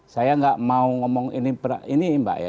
saya nggak mau ngomong ini mbak ya